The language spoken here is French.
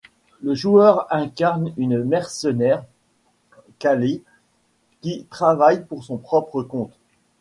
Le joueur incarne une mercenaire, Kahlee, qui travaille pour son propre compte.